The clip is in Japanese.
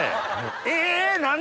え何？